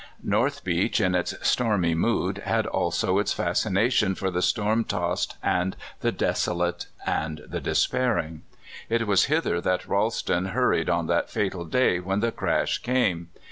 North Beach, in its stormy mood, had also its fascination for the storm tossed and the desolate and the despairing. It was hither that Ralston hurried on that fatal day when the crash came.